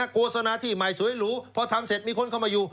โฆษณาที่ใหม่สวยหรูพอทำเสร็จมีคนเข้ามาอยู่